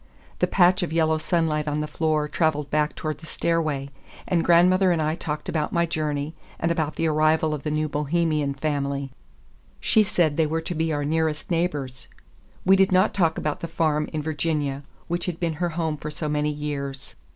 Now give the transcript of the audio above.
The patch of yellow sunlight on the floor traveled back toward the stairway, and grandmother and I talked about my journey, and about the arrival of the new Bohemian family; she said they were to be our nearest neighbors. We did not talk about the farm in Virginia, which had been her home for so many years.